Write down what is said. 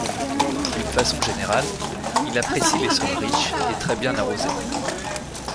D'une façon générale, il apprécie les sols riches et très bien arrosés.